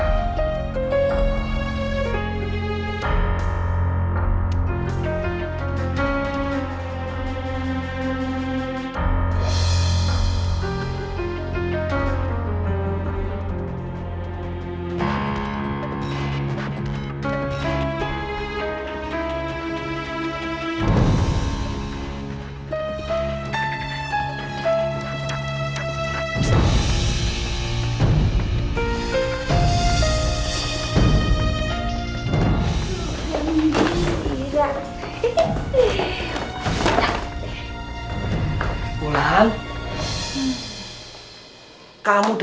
aku kerja di kebetulan memulih duit bu